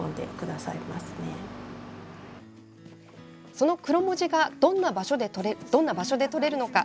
そのクロモジがどんな場所でとれるのか。